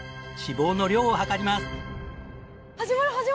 脂肪の量を量ります。